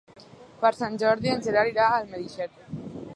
Per Sant Jordi en Gerard irà a Almedíxer.